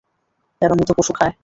এরা মৃত পশু খায়।